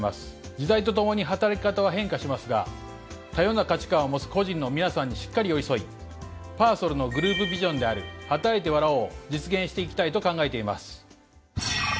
時代とともに働き方は変化しますが多様な価値観を持つ個人の皆さんにしっかり寄り添いパーソルのグループビジョンである「はたらいて、笑おう。」を実現していきたいと考えています。